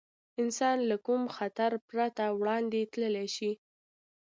انسان له کوم خطر پرته وړاندې تللی شي.